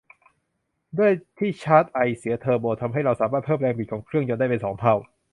ด้วยที่ชาร์จไอเสียเทอร์โบทำให้เราสามารถเพิ่มแรงบิดของเครื่องยนต์ได้เป็นสองเท่า